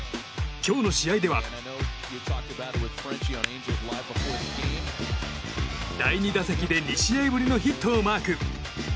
今日の試合では第２打席で２試合ぶりのヒットをマーク。